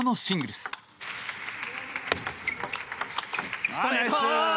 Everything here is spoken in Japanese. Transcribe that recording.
ストレート！